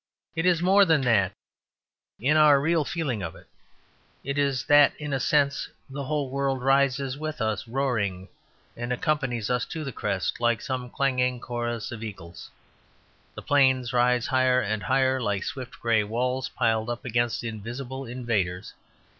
It is more than that, in our real feeling of it. It is that in a sense the whole world rises with us roaring, and accompanies us to the crest like some clanging chorus of eagles. The plains rise higher and higher like swift grey walls piled up against invisible invaders.